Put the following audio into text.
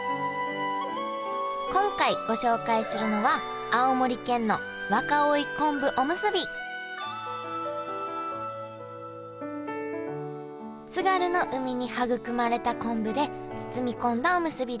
今回ご紹介するのは津軽の海に育まれた昆布で包み込んだおむすびです。